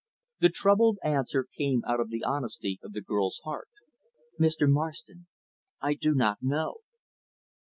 The troubled answer came out of the honesty of the girl's heart; "Mr. Marston, I do not know."